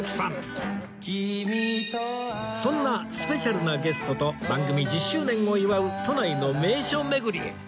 そんなスペシャルなゲストと番組１０周年を祝う都内の名所巡りへ